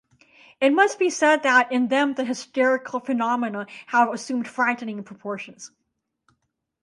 It must be said that in them the hysterical phenomena have assumed frightening proportions.